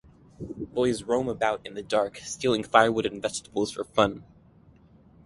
Boys roam about in the dark stealing firewood and vegetables for fun.